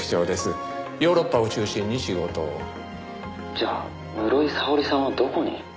「じゃあ室井沙織さんはどこに？」